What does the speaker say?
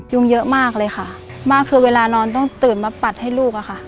เยอะมากเลยค่ะมากคือเวลานอนต้องตื่นมาปัดให้ลูกอะค่ะ